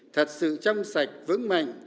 thật sự chăm sạch vững mạnh